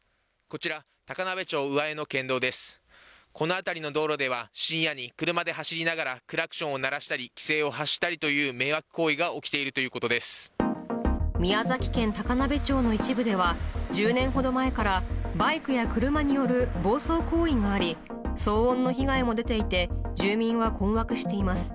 この辺りの道路では、深夜に車で走りながら、クラクションを鳴らしたり奇声を発したりという迷惑行為が起きて宮崎県高鍋町の一部では、１０年ほど前から、バイクや車による暴走行為があり、騒音の被害も出ていて、住民は困惑しています。